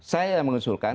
saya yang mengusulkan